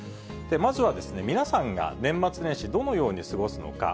まずは、皆さんが年末年始、どのように過ごすのか。